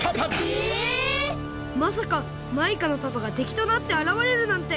まさかマイカのパパがてきとなってあらわれるなんて！